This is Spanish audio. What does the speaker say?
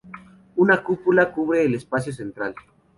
Una cúpula cubre el espacio central.